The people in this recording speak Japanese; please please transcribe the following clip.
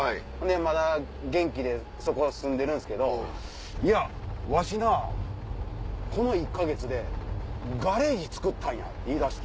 まだ元気でそこ住んでるんすけど「わしなこの１か月でガレージ造ったんや」って言いだして。